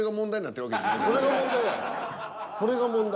それが問題やろ。